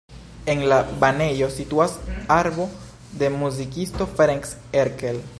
En la banejo situas arbo de muzikisto Ferenc Erkel.